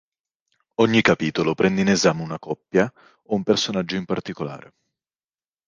Ogni capitolo prende in esame una coppia o un personaggio in particolare.